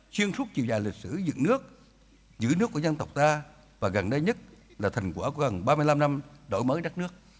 xuyên suốt chiều dài lịch sử dựng nước giữ nước của dân tộc ta và gần đây nhất là thành quả của gần ba mươi năm năm đổi mới đất nước